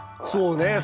そうね。